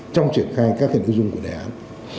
trong triển khai các hình ưu dung của đề án